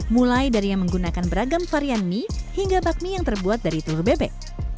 mulai dari yang menggunakan beragam varian mie hingga bakmi yang terbuat dari telur bebek